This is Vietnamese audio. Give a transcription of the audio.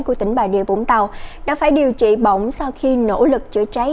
của tỉnh bà rịa vũng tàu đã phải điều trị bỏng sau khi nỗ lực chữa cháy